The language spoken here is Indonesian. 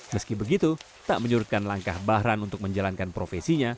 meski begitu tak menyurutkan langkah bahran untuk menjalankan profesinya